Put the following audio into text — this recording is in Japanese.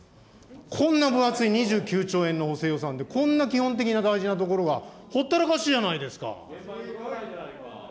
こんな分厚い２９兆円の補正予算で、こんな基本的な大事なところがほったらかしじゃないですか。